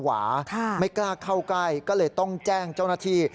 หวาไม่กล้าเข้าใกล้ก็เลยต้องแจ้งเจ้าหน้าที่